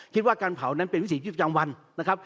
คิดว่าการเผานั้นเป็นวิศีที่จำวันนะครับ